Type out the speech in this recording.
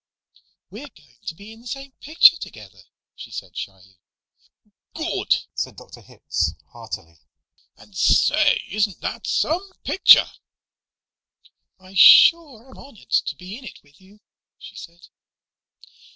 "We're going to be in the same picture together," she said shyly. "Good!" said Dr. Hitz heartily. "And, say, isn't that some picture?" "I sure am honored to be in it with you," she said.